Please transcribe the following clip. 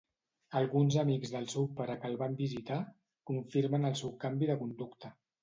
Alguns amics del seu pare que el van visitar, confirmen el seu canvi de conducta.